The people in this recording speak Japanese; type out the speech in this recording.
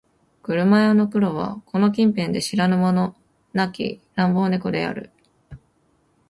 車屋の黒はこの近辺で知らぬ者なき乱暴猫である